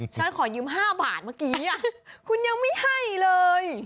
ฉันขอยืม๕บาทเมื่อกี้คุณยังไม่ให้เลย